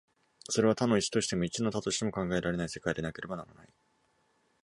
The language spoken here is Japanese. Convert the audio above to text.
それは多の一としても、一の多としても考えられない世界でなければならない。